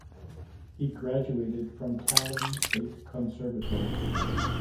He graduated from Tallinn State Conservatory.